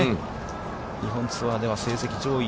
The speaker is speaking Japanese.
日本ツアーでは、成績上位。